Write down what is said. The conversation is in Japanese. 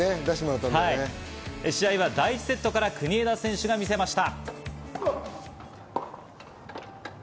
試合は第１セットから国枝選手が見せました。